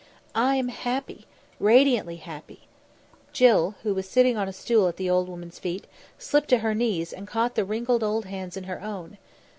"I am happy, radiantly happy." Jill, who was sitting on a stool at the old woman's feet, slipped to her knees and caught the wrinkled old hands in her own.